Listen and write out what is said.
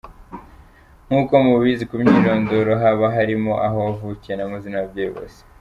Nk’uko mubizi mu mwirondoro haba harimo aho wavukiye n’amazina y’ababyeyi bose.